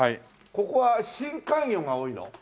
ここは深海魚が多いの？